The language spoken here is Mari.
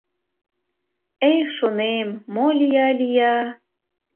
Эх, шонем, мо лия-лия...